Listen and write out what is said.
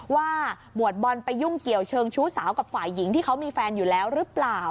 หมวดบอลไปยุ่งเกี่ยวเชิงชู้สาวกับฝ่ายหญิงที่เขามีแฟนอยู่แล้วหรือเปล่า